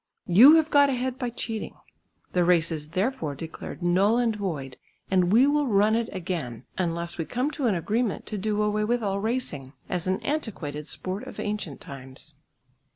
You have got ahead by cheating. The race is therefore declared null and void and we will run it again, unless we come to an agreement to do away with all racing, as an antiquated sport of ancient times."